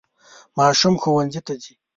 ماشوم ښوونځي ته ځي.